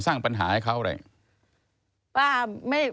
สร้างปัญหาให้เขาเลย